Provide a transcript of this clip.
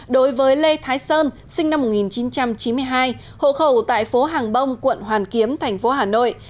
đối với lê thái sơn sinh năm một nghìn chín trăm chín mươi hai hộ khẩu tại phố hàng bông quận hoàn kiếm thành phố hà nội